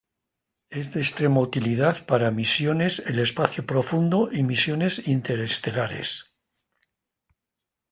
Es de extrema utilidad para misiones al espacio profundo y misiones interestelares.